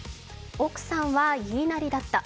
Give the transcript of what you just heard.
奥さんは言いなりだった。